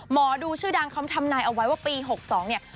หมอดูชื่อดังเขาทำนายเอาไว้ว่าปี๖๒เนี่ย